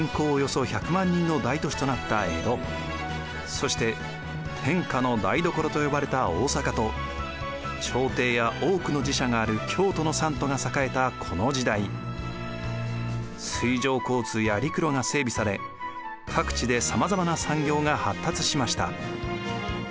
そして天下の台所と呼ばれた大坂と朝廷や多くの寺社がある京都の三都が栄えたこの時代水上交通や陸路が整備され各地でさまざまな産業が発達しました。